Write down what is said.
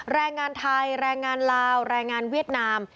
แรงงานไทยแรงงานลาวแรงงานเวียดนาม